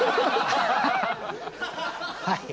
はい。